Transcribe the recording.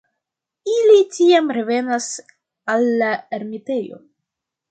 Ili tiam revenas al la ermitejo.